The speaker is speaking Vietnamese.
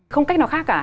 không cách nào khác cả